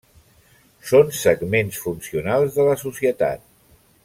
Són segments funcionals de la societat.